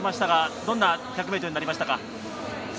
どんな１００ｍになりましたか？